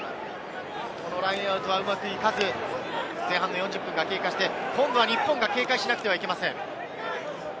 このラインアウトはうまくいかず、前半の４０分が経過して、今度は日本が警戒しなければいけません。